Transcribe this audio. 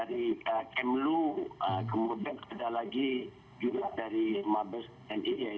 diminta perusahaan untuk melakukan negosiasi